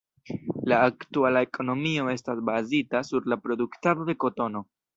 La aktuala ekonomio estas bazita sur la produktado de kotono.